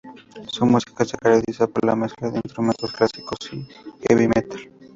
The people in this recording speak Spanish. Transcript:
Su música se caracteriza por la mezcla de instrumentos clásicos y heavy metal.